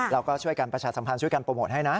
เราก็ช่วยกันประชาสัมพันธ์ช่วยกันโปรโมทให้นะ